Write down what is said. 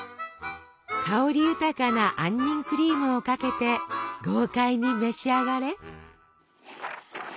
香り豊かな杏仁クリームをかけて豪快に召し上がれ！